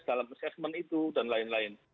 dalam assessment itu dan lain lain